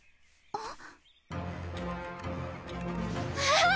あっ。